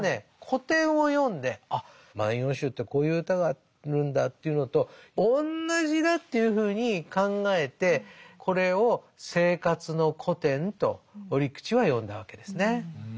古典を読んであっ「万葉集」ってこういう歌があるんだというのと同じだというふうに考えてこれを「生活の古典」と折口は呼んだわけですね。